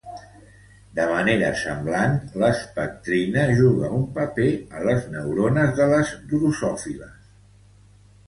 De manera semblant, l'espectrina juga un paper a les neurones de les drosòfiles.